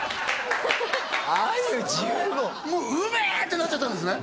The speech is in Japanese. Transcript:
もう「うめ！」ってなっちゃったんですね